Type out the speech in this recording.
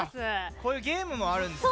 こういうゲームもあるんですね。